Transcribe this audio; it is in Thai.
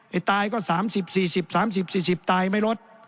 ตายก็๓๐๔๐๓๐๔๐ตายไม่ลด